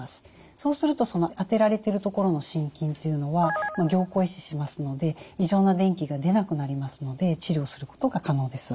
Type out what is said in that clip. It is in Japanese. そうするとその当てられてる所の心筋っていうのは凝固壊死しますので異常な電気が出なくなりますので治療することが可能です。